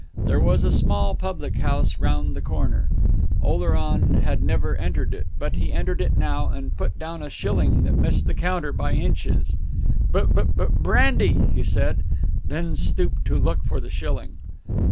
There was a small public house round the corner; Oleron had never entered it; but he entered it now, and put down a shilling that missed the counter by inches. "B b bran brandy," he said, and then stooped to look for the shilling.